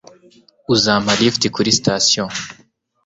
Uzampa lift kuri sitasiyo?